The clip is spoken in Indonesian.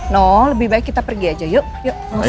no lebih baik kita pergi aja yuk